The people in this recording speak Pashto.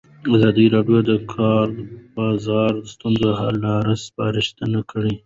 ازادي راډیو د د کار بازار د ستونزو حل لارې سپارښتنې کړي.